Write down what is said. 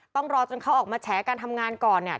ต้องรอจนเขาออกมาแฉการทำงานก่อนเนี่ย